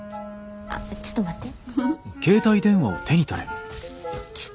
あっちょっと待って。